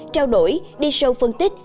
trao đổi đi sâu phân tích